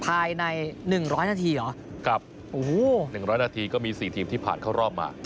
ภายในหนึ่งร้อยนาทีเหรอครับโอ้โหหนึ่งร้อยนาทีก็มีสี่ทีมที่ผ่านเข้ารอบมา